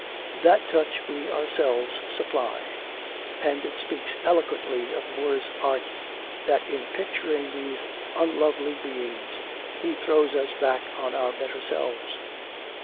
That touch we ourselves supply; and it speaks eloquently for Moore's art that in picturing these unlovely beings he throws us back on our better selves.